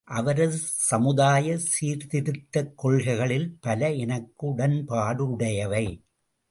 அவரது சமுதாய சீர்திருத்தக் கொள்கைகளில் பல எனக்கு உடன்பாடுடையவை.